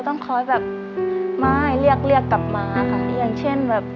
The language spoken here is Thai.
ต้องคอยแบบไม่เรียกเรียกกลับมาค่ะอย่างเช่นแบบ